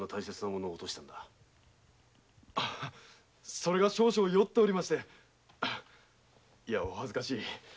それが少々酔っておりましてお恥ずかしい。